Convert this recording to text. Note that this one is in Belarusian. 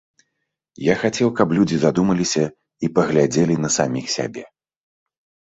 Я хацеў, каб людзі задумаліся і паглядзелі на саміх сябе.